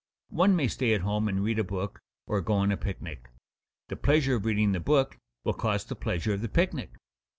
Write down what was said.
One may stay at home and read a book or go on a picnic; the pleasure of reading the book will cost the pleasure of the picnic.